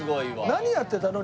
何やってたの？